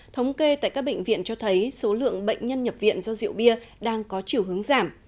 thống kê tại các bệnh viện cho thấy số lượng bệnh nhân nhập viện do rượu bia đang có chiều hướng giảm